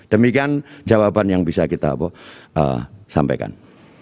demikian jawaban yang bisa kita sampaikan